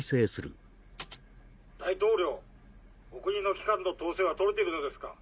大統領お国の機関の統制はとれているのですか？